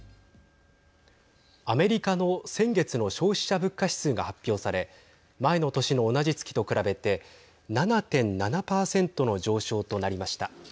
アメリカの先月の消費者物価指数が発表され前の年の同じ月と比べて７．７％の上昇となりました。